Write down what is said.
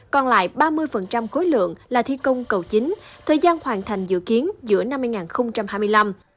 còn lại ba mươi khối lượng là thi công cầu chính thời gian hoàn thành dự kiến giữa năm hai nghìn hai mươi năm